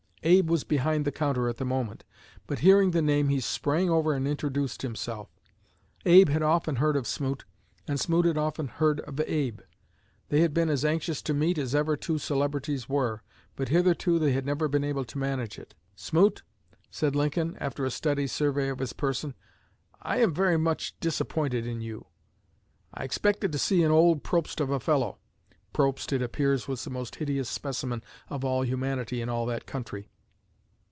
Abe was behind the counter at the moment, but hearing the name he sprang over and introduced himself. Abe had often heard of Smoot and Smoot had often heard of Abe. They had been as anxious to meet as ever two celebrities were, but hitherto they had never been able to manage it. 'Smoot,' said Lincoln, after a steady survey of his person, 'I am very much disappointed in you; I expected to see an old Probst of a fellow.' (Probst, it appears, was the most hideous specimen of humanity in all that country).